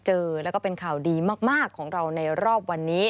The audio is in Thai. เจอแล้วก็เป็นข่าวดีมากของเราในรอบวันนี้